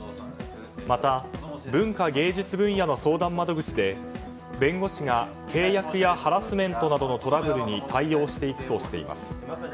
また、文化芸術分野の相談窓口で弁護士が、契約やハラスメントなどのトラブルに対応していくとしています。